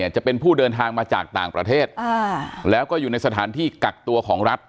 จะเป็นผู้เดินทางมาจากต่างประเทศแล้วก็อยู่ในสถานที่กักตัวของรัฐ